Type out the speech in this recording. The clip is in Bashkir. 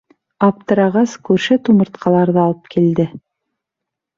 Аптырағас, күрше тумыртҡаларҙы алып килде.